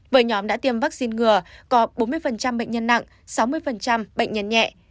với nhóm đã tiêm vaccine ngừa có bốn mươi bệnh nhân nặng sáu mươi bệnh nhân nhẹ